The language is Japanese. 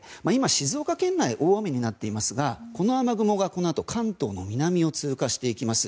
静岡県内、大雨になっていますがこの雨雲がこのあと関東の南を通過していきます。